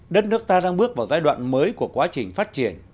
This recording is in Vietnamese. đất nước ta đang bước vào giai đoạn mới của quá trình phát triển